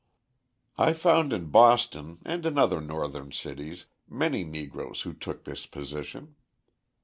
I found in Boston and in other Northern cities many Negroes who took this position.